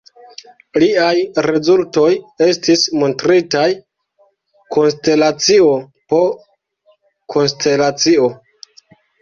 Liaj rezultoj estis montritaj konstelacio po konstelacio.